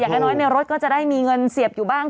น้อยในรถก็จะได้มีเงินเสียบอยู่บ้าง